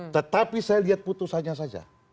tetapi saya lihat putusannya saja